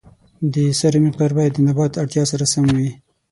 د سرې مقدار باید د نبات اړتیا سره سم وي.